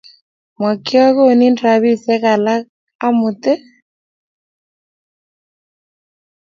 Ma kiagonin rapisye alak amut ii?